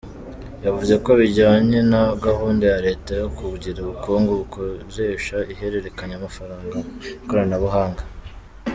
Yavuze ko bijyanye na gahunda ya leta yo kugira ubukungu bukoresha ihererekanyamafaranga mu ikoranabuhanga.